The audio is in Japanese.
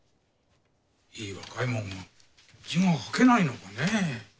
いい若いもんが字が書けないのかねぇ。